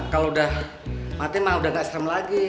kalau udah mati mah udah gak strem lagi